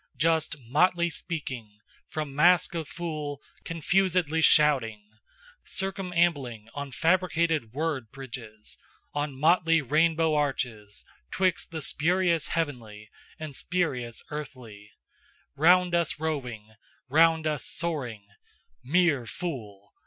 Just motley speaking, From mask of fool confusedly shouting, Circumambling on fabricated word bridges, On motley rainbow arches, 'Twixt the spurious heavenly, And spurious earthly, Round us roving, round us soaring, MERE FOOL!